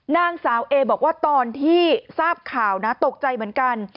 นางสาวเอบอกว่าตอนที่ทราบข่าวนะตกใจเหมือนกัน